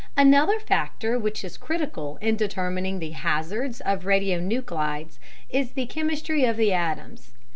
Another factor which is critical in determining the hazard of radionuclides is the chemistry of the atoms.